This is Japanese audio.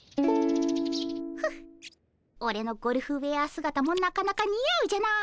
フッオレのゴルフウェア姿もなかなかにあうじゃないかっ。